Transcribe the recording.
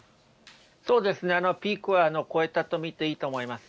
そうですね、ピークは越えたと見ていいと思います。